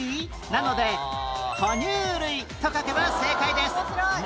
なので「ほ乳類」と書けば正解です